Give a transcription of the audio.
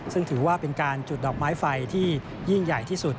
ซึ่งถือว่าเป็นการจุดดอกไม้ไฟที่ยิ่งใหญ่ที่สุด